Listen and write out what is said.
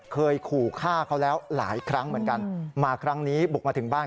เคยขู่ฆ่าเขาแล้วหลายครั้งเหมือนกันมาครั้งนี้บุกมาถึงบ้าน